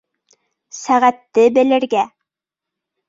— Сәғәтте белергә.